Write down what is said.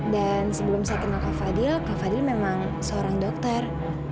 dan sebelum saya kenal kak fadil kak fadil memang seorang dokter